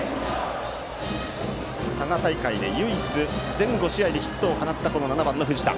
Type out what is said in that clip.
佐賀大会で唯一全５試合でヒットを放った７番の藤田。